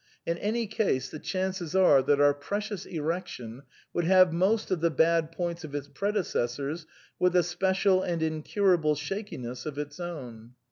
In any case, the chances are that our precious erection would have most of the bad points of its predecessors with a spe cial and incurable shakiness of its own.